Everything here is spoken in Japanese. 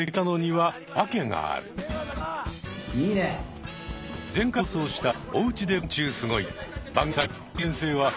はい。